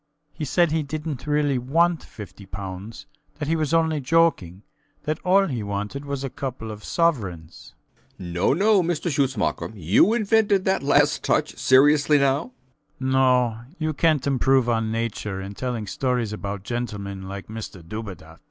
He said he didnt really want 50 pounds; that he was only joking; that all he wanted was a couple of sovereigns. B. B. No, no, Mr Schutzmacher. You invented that last touch. Seriously, now? SCHUTZMACHER. No. You cant improve on Nature in telling stories about gentlemen like Mr Dubedat.